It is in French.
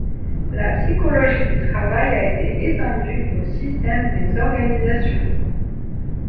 La psychologie du travail a été étendue au système des organisations.